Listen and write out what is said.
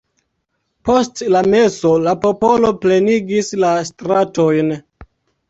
Post la meso la popolo plenigis la stratojn.